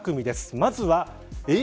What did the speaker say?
まずは、Ａえ！